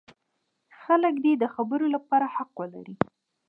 خلک دې د خبرو لپاره حق ولري.